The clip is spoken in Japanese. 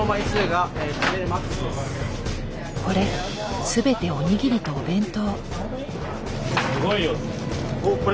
これ全ておにぎりとお弁当。